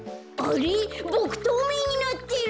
ボクとうめいになってる！？